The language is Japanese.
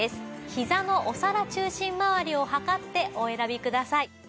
ひざのお皿中心まわりを測ってお選びください。